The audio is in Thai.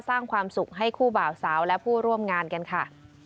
สร้างความสุขให้คู่บ่าวสาวและผู้ร่วมงานกันค่ะ